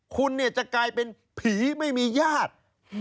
คุณจะกลายเป็นผีไม่มีญาติ